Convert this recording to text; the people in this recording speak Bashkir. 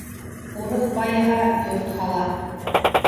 Урыҫ байыһа, йорт һала.